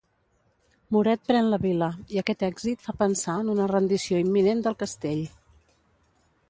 Muret pren la vila, i aquest èxit fa pensar en una rendició imminent del castell.